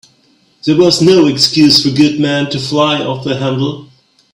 There was no excuse for Goodman to fly off the handle.